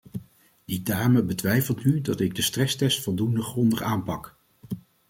Die dame betwijfelt nu dat ik de stresstests voldoende grondig aanpak.